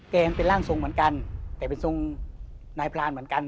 มันเป็นร่างทรงเหมือนกันแต่เป็นทรงนายพรานเหมือนกัน